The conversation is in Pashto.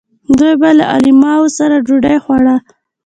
دوی به له علماوو سره ډوډۍ خوړه.